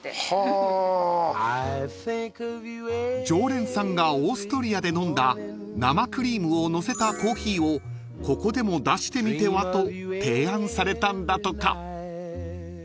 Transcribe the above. ［常連さんがオーストリアで飲んだ生クリームをのせたコーヒーをここでも出してみては？と提案されたんだとか］